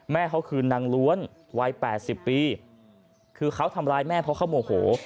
แม่เขาคือนางล้วนวัย๘๐ปีคือเขาทำร้ายแม่เพราะเขาโมโห